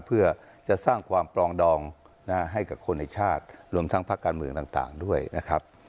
เพื่อจะสร้างความปลองดองให้กับคนในชาติรวมทั้งภาคการเมืองต่างด้วยนะครับ